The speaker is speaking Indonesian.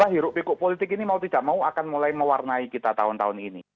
hirup pikuk politik ini mau tidak mau akan mulai mewarnai kita tahun tahun ini